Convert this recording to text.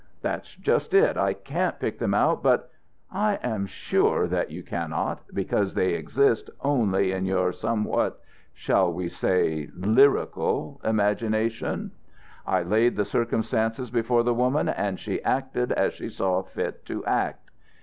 "That's just it. I can't pick them out, but " "I am sure that you cannot, because they exist only in your somewhat shall we say, lyrical imagination? I laid the circumstances before the woman and she acted as she saw fit to act.